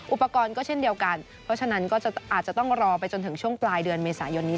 อุปกรณ์ก็เช่นเดียวกันเพราะฉะนั้นก็อาจจะต้องรอไปจนถึงช่วงปลายเดือนเมษายนนี้